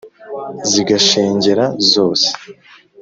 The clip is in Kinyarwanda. Zigashengera zose,